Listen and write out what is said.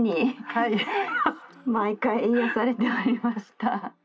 「毎回癒やされておりました」。